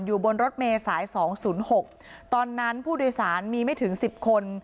อยู่บนรถเมย์สายสองศูนย์หกตอนนั้นผู้โดยสารมีไม่ถึงสิบคน